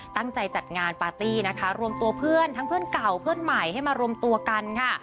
จัดงานปาร์ตี้นะคะรวมตัวเพื่อนทั้งเพื่อนเก่าเพื่อนใหม่ให้มารวมตัวกันค่ะ